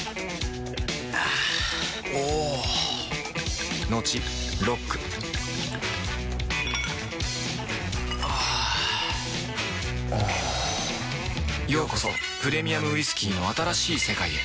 あぁおぉトクトクあぁおぉようこそプレミアムウイスキーの新しい世界へ